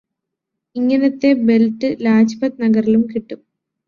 ഇങ്ങനെത്തെ ബെൽറ്റ് ലാജ്പത് നഗറിലും കിട്ടും